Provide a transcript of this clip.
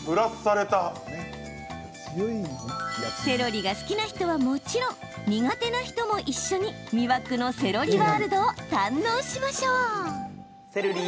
セロリが好きな人はもちろん苦手な人も一緒に魅惑のセロリワールドを堪能しましょう！